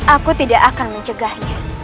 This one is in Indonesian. aku tidak akan mencegahnya